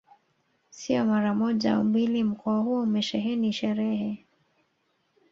Sio mara moja au mbili mkoa huo umesheheni sherehe